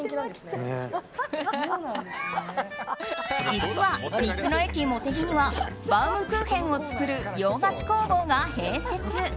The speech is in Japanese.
実は、道の駅もてぎにはバウムクーヘンを作る洋菓子工房が併設。